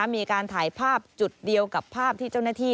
มีการถ่ายภาพจุดเดียวกับภาพที่เจ้าหน้าที่